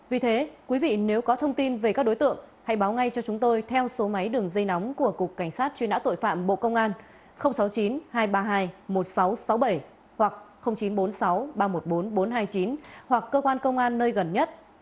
vì thế quý vị nếu có thông tin về các đối tượng hãy báo ngay cho chúng tôi theo số máy đường dây nóng của cục cảnh sát truy nã tội phạm bộ công an sáu mươi chín hai trăm ba mươi hai một nghìn sáu trăm sáu mươi bảy hoặc chín trăm bốn mươi sáu ba trăm một mươi bốn bốn trăm hai mươi chín hoặc cơ quan công an nơi gần nhất